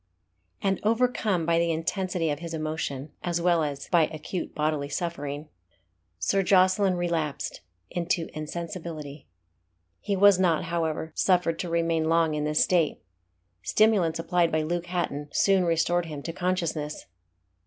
And overcome by the intensity of his emotion, as well as by acute bodily suffering, Sir Jocelyn relapsed into insensibility. He was not, however, suffered to remain long in this state. Stimulants applied by Luke Hatton soon restored him to consciousness.